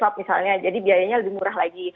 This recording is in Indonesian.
suap misalnya jadi biayanya lebih murah lagi